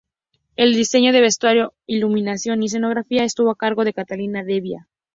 El diseño de vestuario, Iluminación y escenografía estuvo a cargo de Catalina Devia.